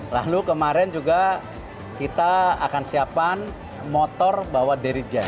lalu kemarin juga kita akan siapkan motor bawa derija